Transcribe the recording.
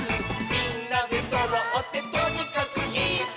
「みんなでそろってとにかくイス！」